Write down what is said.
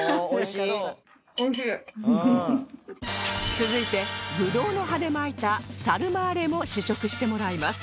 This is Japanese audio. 続いてぶどうの葉で巻いたサルマーレも試食してもらいます